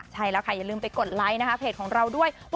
ใช่แล้วค่ะอย่าลืมไปกดไลค์นะคะเพจของเราด้วย